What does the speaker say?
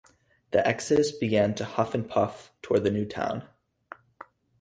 The exodus began to huff and puff toward the new town.